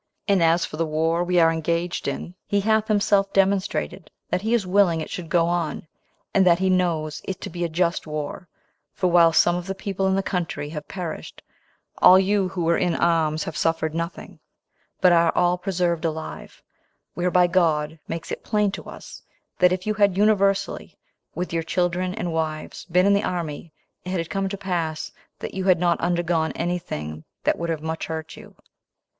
And as for the war we are engaged in, he hath himself demonstrated that he is willing it should go on, and that he knows it to be a just war; for while some of the people in the country have perished, all you who were in arms have suffered nothing, but are all preserved alive; whereby God makes it plain to us, that if you had universally, with your children and wives, been in the army, it had come to pass that you had not undergone any thing that would have much hurt you.